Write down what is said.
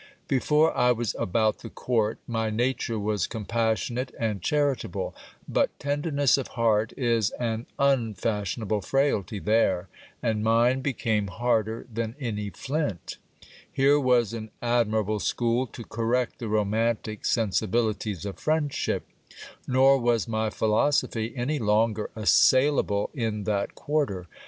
Before I was about the court my nature was compassionate and chari table ; but tenderness of heart is an unfashionable frailty there, and mine became harder than any flint Here was an admirable school to correct the romantic sensibilities of friendship : nor was my philosophy any longer assailable in that quarter.